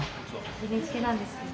ＮＨＫなんですけど。